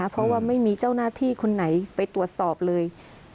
เพราะว่าไม่มีเจ้าหน้าที่คนไหนไปตรวจสอบเลย